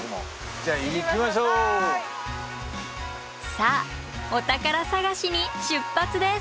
さあお宝探しに出発です！